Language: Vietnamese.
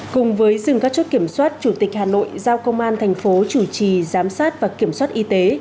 cùng với dừng các chốt kiểm soát chủ tịch hà nội giao công an thành phố chủ trì giám sát và kiểm soát y tế